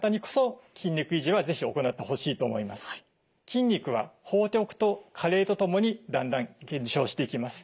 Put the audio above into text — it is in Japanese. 筋肉は放っておくと加齢とともにだんだん減少していきます。